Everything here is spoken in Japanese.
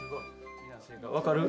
分かる？